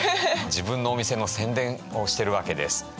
自分のお店の宣伝をしてるわけです。